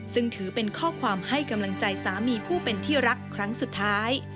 ซึ่งถือเป็นข้อความให้กำลังใจสามีผู้เป็นที่รักครั้งสุดท้าย